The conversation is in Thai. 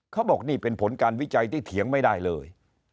เขาบอกนี่เป็นผลการวิจัยที่เถียงไม่ได้เลย